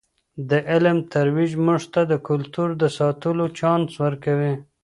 د علم ترویج موږ ته د کلتور د ساتلو چانس ورکوي.